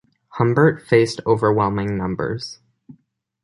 Humbert faced overwhelming numbers.